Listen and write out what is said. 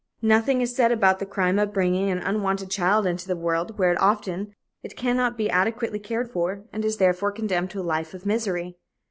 Nothing is said about the crime of bringing an unwanted child into the world, where often it cannot be adequately cared for and is, therefore, condemned to a life of misery.